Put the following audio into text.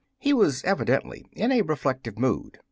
He was evidently in a re flective mood.